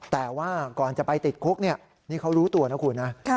แต่ว่าก่อนจะไปติดคุกนี่เขารู้ตัวนะคุณนะ